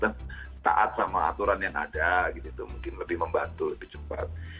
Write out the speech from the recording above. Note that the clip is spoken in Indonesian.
kita taat sama aturan yang ada gitu mungkin lebih membantu lebih cepat